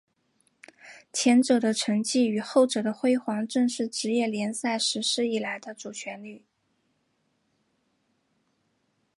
前者的沉寂与后者的辉煌正是职业联赛实施以来的主旋律。